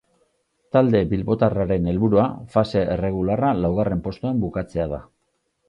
Talde bilbotarraren helburua, fase erregularra laugarren postuan bukatzea da.